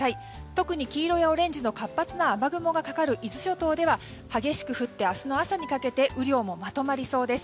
特に黄色やオレンジの活発な雨雲がかかる伊豆諸島では激しく降って明日の朝にかけて雨量もまとまりそうです。